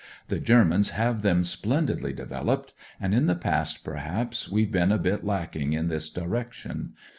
"The Grermans have them splendidly developed, and in the past perhaps we've been a bit lacking in this direction.